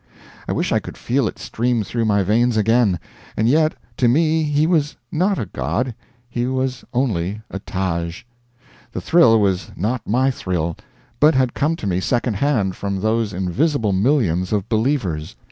I wish I could feel it stream through my veins again. And yet, to me he was not a god, he was only a Taj. The thrill was not my thrill, but had come to me secondhand from those invisible millions of believers.